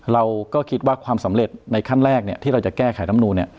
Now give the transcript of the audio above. เราก็คิดว่าความสำเร็จในขั้นแรกที่เราจะแก้ไขรำนูน